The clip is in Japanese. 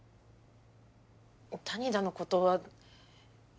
谷田のことは。